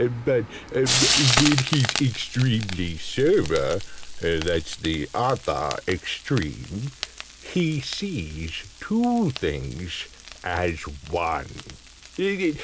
But, when he's extremely sober (that's the other extreme), he sees two things as one.